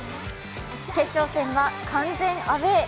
決勝戦は完全アウェー。